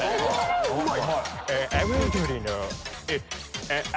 うまい！